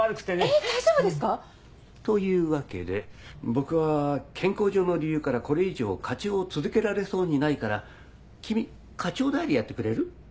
えっ大丈夫ですか？というわけで僕は健康上の理由からこれ以上課長を続けられそうにないから君課長代理やってくれる？